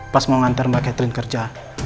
pas mau ngantar mbak catherine kerja